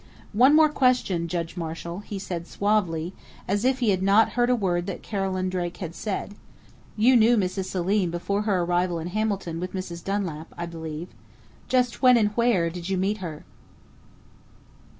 "One more question, Judge Marshall," he said suavely, as if he had not heard a word that Carolyn Drake had said. "You knew Mrs. Selim before her arrival in Hamilton with Mrs. Dunlap, I believe.... Just when and where did you meet her?"